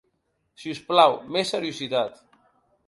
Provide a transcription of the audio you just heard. Si us plau, més seriositat.